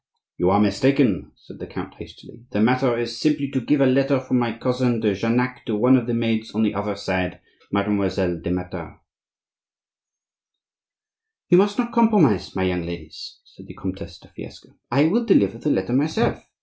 "You are mistaken," said the count, hastily, "the matter is simply to give a letter from my cousin de Jarnac to one of the maids on the other side, Mademoiselle de Matha." "You must not compromise my young ladies," said the Comtesse de Fiesque. "I will deliver the letter myself.